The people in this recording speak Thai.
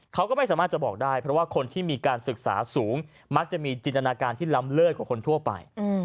เขาก็ไม่สามารถจะบอกได้เพราะว่าคนที่มีการศึกษาสูงมักจะมีจินตนาการที่ล้ำเลิศกว่าคนทั่วไป